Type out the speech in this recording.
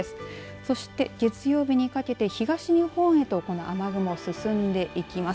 そして月曜日にかけて東日本へとこの雨雲進んでいきます。